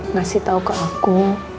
ngasih tau ke aku